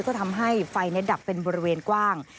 ก็ทำให้ไฟดับเป็นบริเวณกว้าง